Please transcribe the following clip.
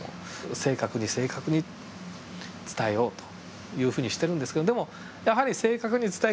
正確に正確に伝えようというふうにしてるんですけどでもやはり正確に伝えきれない部分もあって。